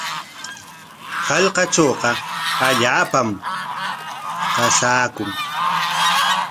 Hallqatrawqa allaapam qasaakun.